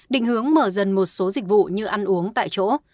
định hướng mở dần một số dịch vụ như ăn uống tại chỗ